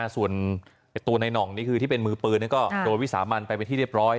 ส่วนตัวในหน่องนี่คือที่เป็นมือปืนก็โดนวิสามันไปเป็นที่เรียบร้อย